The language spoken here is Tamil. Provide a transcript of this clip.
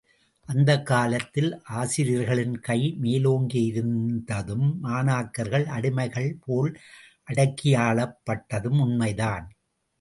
அந்தக் காலத்தில், ஆசிரியர்களின் கை மேலோங்கியிருந்ததும், மாணாக்கர்கள் அடிமைகள்போல் அடக்கியாளப்பட்டதும் உண்மைதான்!